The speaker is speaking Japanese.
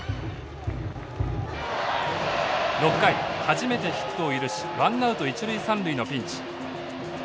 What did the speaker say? ６回初めてヒットを許しワンナウト一塁三塁のピンチ。